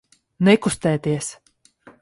Nekustēties!